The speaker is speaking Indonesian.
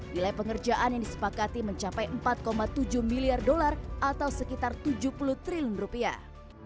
nilai pengerjaan yang disepakati mencapai empat tujuh miliar dolar atau sekitar tujuh puluh triliun rupiah